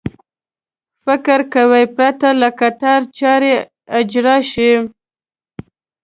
فکر کوي پرته له کتار چارې اجرا شي.